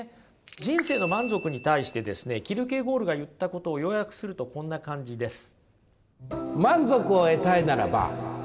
人生の満足に対してですねキルケゴールが言ったことを要約するとこんな感じです。